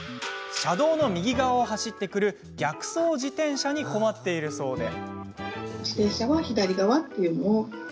車道の右側を走ってくる逆走自転車に困っているそうで。